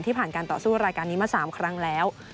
ผ่านการต่อสู้รายการนี้มา๓ครั้งแล้ว